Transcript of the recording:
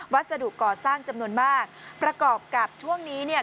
สะดวกก่อสร้างจำนวนมากประกอบกับช่วงนี้เนี่ย